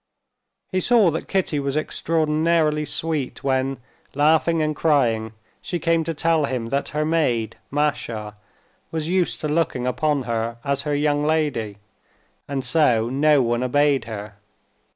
He saw that Kitty was extraordinarily sweet when, laughing and crying, she came to tell him that her maid, Masha, was used to looking upon her as her young lady, and so no one obeyed her.